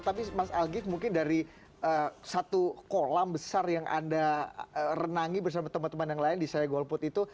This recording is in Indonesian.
tapi mas algif mungkin dari satu kolam besar yang anda renangi bersama teman teman yang lain di saya golput itu